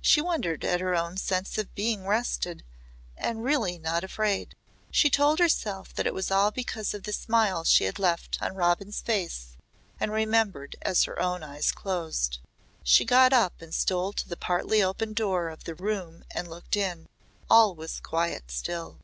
She wondered at her own sense of being rested and really not afraid. She told herself that it was all because of the smile she had left on Robin's face and remembered as her own eyes closed. She got up and stole to the partly opened door of the next room and looked in. All was quite still.